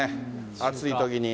暑いときに。